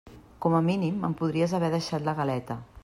Com a mínim em podries haver deixat la galeta.